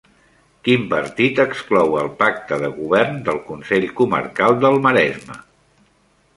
Quin partit exclou el pacte de govern del Consell Comarcal del Maresme?